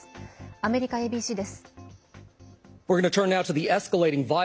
アメリカＡＢＣです。